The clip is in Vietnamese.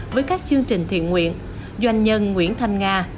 của các chương trình thiện nguyện doanh nhân nguyễn thành nga